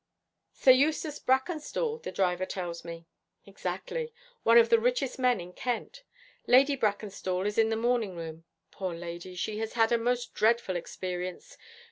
'Sir Eustace Brackenstall, the driver tells me.' 'Exactly one of the richest men in Kent Lady Brackenstall is in the morning room. Poor lady, she has had a most dreadful experience.